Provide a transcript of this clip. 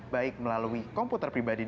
baik melalui komputer pribadi